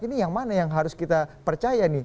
ini yang mana yang harus kita percaya nih